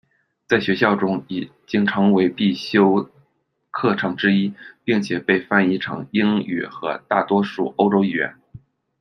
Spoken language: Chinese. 在学校中，已经成为必修课程之一，并且被翻译成英语和大多数欧洲语言。